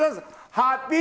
ハッピー。